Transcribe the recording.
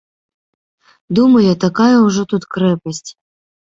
Думалі, такая ўжо тут крэпасць.